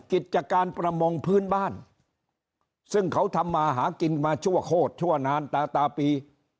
กิจการประมงพื้นบ้านซึ่งเขาทำมาหากินมาชั่วโคตรชั่วนานตาตาปี